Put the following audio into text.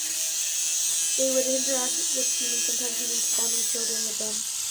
They would interact with humans, sometimes even spawning children with them.